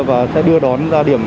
và xe đưa đón ra điểm